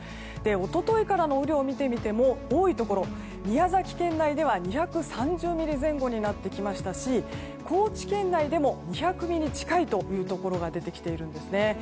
一昨日からの雨量を見てみても多いところ、宮崎県内では２３０ミリ前後になってきましたし高知県内でも２００ミリ近いところが出てきているんですね。